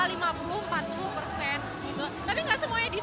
tapi nggak semuanya diskon sih